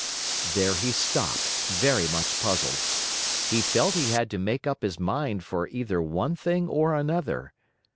.." There he stopped, very much puzzled. He felt he had to make up his mind for either one thing or another.